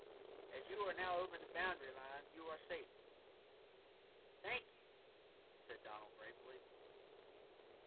As you are now over the boundary line you are safe." "Thank you," said Donald gratefully.